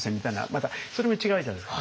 またそれも違うじゃないですか。